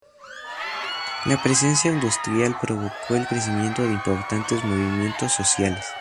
La presencia industrial provocó el crecimiento de importantes movimientos sociales.